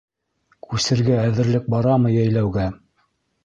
Күсергә әҙерлек барамы йәйләүгә?